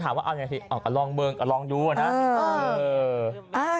พอถามว่าเอาอย่างไงอ๋อกระลองเมืองกระลองดูอ่ะนะ